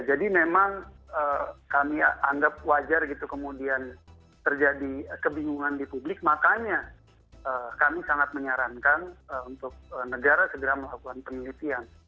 jadi memang kami anggap wajar gitu kemudian terjadi kebingungan di publik makanya kami sangat menyarankan untuk negara segera melakukan penelitian